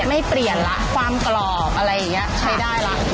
ไม่เปลี่ยนแล้วความกรอบอะไรอย่างนี้ใช้ได้แล้ว